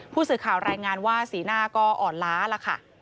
ผู้สื่อข่าวรายงานว่าสีหน้าก็อ่อนล้าล่ะค่ะ